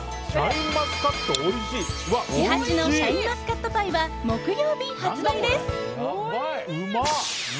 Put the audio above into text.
ＫＩＨＡＣＨＩのシャインマスカットパイは木曜日発売です。